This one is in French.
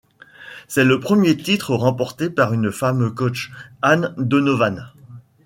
C'est le premier titre remporté par une femme coach, Anne Donovan.